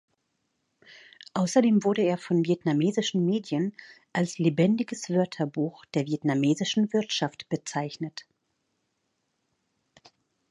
Außerdem wurde er von vietnamesischen Medien als „lebendiges Wörterbuch der vietnamesischen Wirtschaft“ bezeichnet.